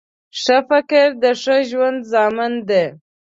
ښه فکر د ښه ژوند ضامن دی